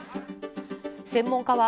専門家は、